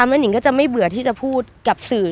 แม่นิงก็จะไม่เบื่อที่จะพูดกับสื่อ